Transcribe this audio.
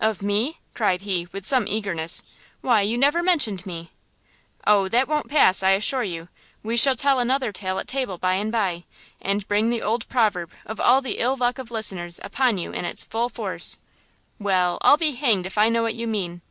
"Of me?" cried he, with some eagerness; "why you never mentioned me." "O that won't pass, I assure you; we shall tell another tale at table by and by; and bring the old proverb of the ill luck of listeners upon you in its full force." "Well, I'll be hanged if I know what you mean!"